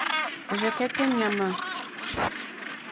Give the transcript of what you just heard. Rzɛ̀kɛ́tɛ́ ɲàmà.